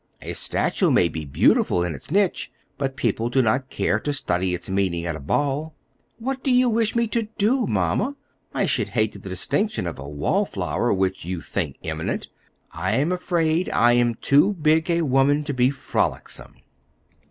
A statue may be beautiful in its niche, but people do not care to study its meaning at a ball." "What do you wish me to do, Mamma? I should hate the distinction of a wall flower, which you think imminent. I am afraid I am too big a woman to be frolicsome."